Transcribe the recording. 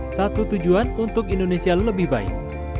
satu tujuan untuk indonesia lebih baik